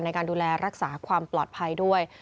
ในการดูแลรักษาความปลอดภัยด้วย